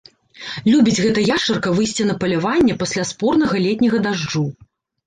Любіць гэта яшчарка выйсці на паляванне пасля спорнага летняга дажджу.